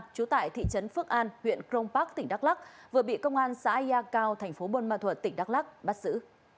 chú tại thị trấn phước an huyện crong park tỉnh đắk lắc vừa bị công an xã yà cao thành phố bôn ma thuật tỉnh đắk lắc bắt xử